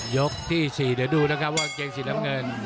ยกที่๔เดี๋ยวดูนะครับว่าเกงศีลำเงิน